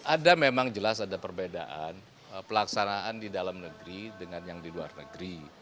ada memang jelas ada perbedaan pelaksanaan di dalam negeri dengan yang di luar negeri